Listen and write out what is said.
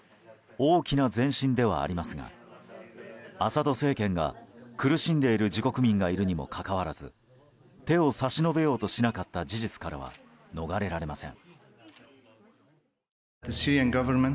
大きな前進ではありますがアサド政権が苦しんでいる自国民がいるにもかかわらず手を差し伸べようとしなかった事実からは逃れられません。